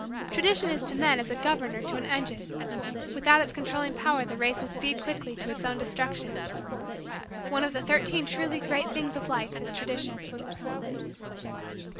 Tradition is to men as a governor to an engine; without its controlling power the race would speed quickly to its own destruction. One of the Thirteen Truly Great Things of Life is Tradition.